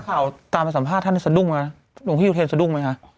ข่าวตามไปสัมภาษณ์ท่านสะดุ้งไหมหลวงพี่อุเทรนสะดุ้งไหมคะ